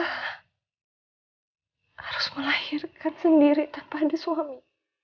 harus melahirkan sendiri tanpa ada suami